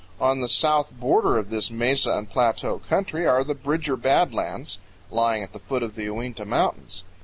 On the south border of this mesa and plateau country are the Bridger Bad Lands, lying at the foot of the Uinta Mountains.